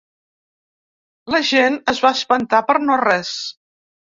La gent es va espantar per no res.